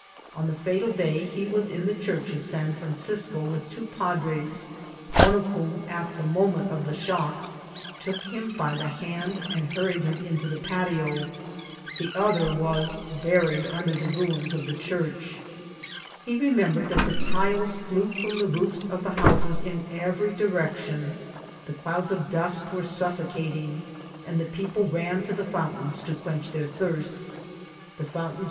On the fatal day he was in the Church of San Francisco with two padres, one of whom, at the mo ment of the shock, took him by the hand and hurried him into the patio ; the other was buried under the ru ins of the church. He remembered that the tiles flew from the roojb of the houses in every directi<Hi ; the clouds of dust were suffocating, and the people ran to the fountains to quench their thirst The fountains CATHKDKAL OF LA ANTIOUA.